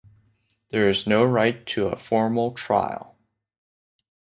There is no right to a formal trial.